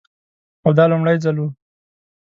او دا لومړی ځل و.